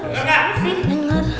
dengar sih dengar